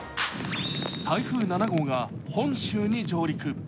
台風７号が本州に上陸。